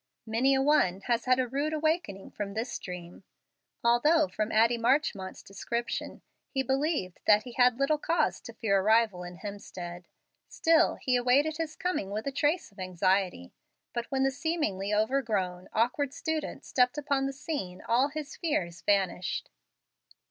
Many a one has had a rude awakening from this dream. Although from Addie Marchmont's description he believed that he had little cause to fear a rival in Hemstead, still he awaited his coming with a trace of anxiety. But when the seemingly overgrown, awkward student stepped upon the scene, all his fears vanished.